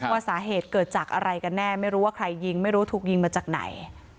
ว่าสาเหตุเกิดจากอะไรกันแน่ไม่รู้ว่าใครยิงไม่รู้ถูกยิงมาจากไหน